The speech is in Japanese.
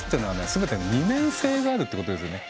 全て二面性があるっていうことですよね。